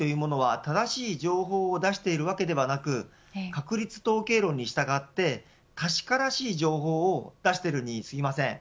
現状でも、対話型ＡＩというものは、正しい情報を出しているわけではなく確率統計論に従って確からしい情報を出してるに過ぎません。